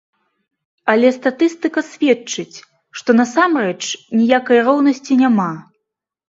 Але статыстыка сведчыць, што насамрэч ніякай роўнасці няма.